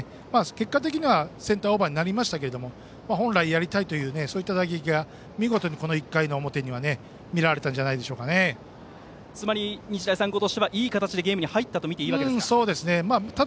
結果的にはセンターオーバーになりましたけれども本来やりたいという打撃が見事に、この１回の表につまり、日大三高としてはいい形でゲームに入ったと見ていいわけですか。